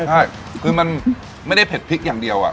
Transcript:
ใช่คือมันไม่ได้เผ็ดพริกอย่างเดียว